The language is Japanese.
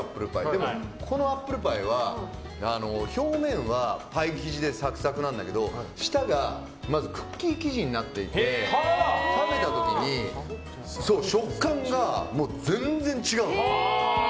でもここのアップルパイは表面はパイ生地でサクサクなんだけど下がクッキー生地になっていて食べた時に食感が全然違うの。